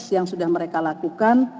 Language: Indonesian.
yang mereka lakukan